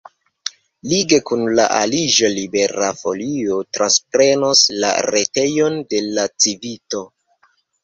Lige kun la aliĝo Libera Folio transprenos la retejon de la Civito.